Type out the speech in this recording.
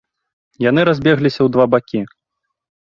Яны разбегліся ў два бакі.